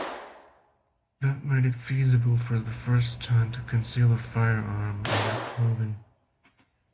That made it feasible for the first time to conceal a firearm under clothing.